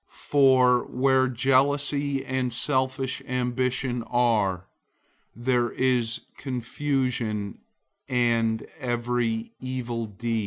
003:016 For where jealousy and selfish ambition are, there is confusion and every evil deed.